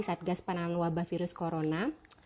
saat gas penanganan wabah virus corona